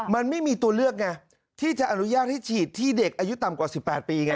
มันไม่มีตัวเลือกไงที่จะอนุญาตให้ฉีดที่เด็กอายุต่ำกว่า๑๘ปีไง